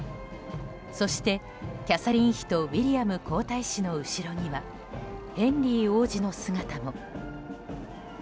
そして、キャサリン妃とウィリアム皇太子の後ろにはヘンリー王子の姿も。